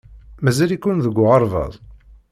Mazal-iken deg uɣerbaz?